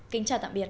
kính chào tạm biệt